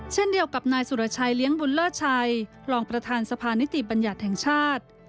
เช่นเดียวกับนายสุรชัยเลี้ยงบุญเลิศชัยรองประธานสภานิติบัญญัติแห่งชาติ